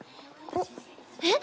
えっ？